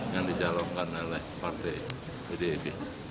yang dicalonkan oleh partai pdip